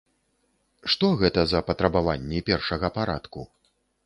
Што гэта за патрабаванні першага парадку?